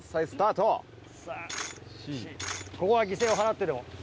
ここは犠牲を払ってでも。